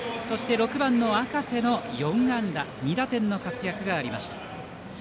６番の赤瀬の４安打２打点の活躍がありました。